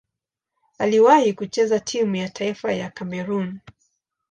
Aliwahi kucheza timu ya taifa ya Kamerun.